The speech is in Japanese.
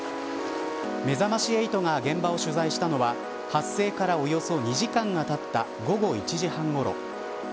めざまし８が現場を取材したのは発生からおよそ２時間がたった午後１時半ごろ。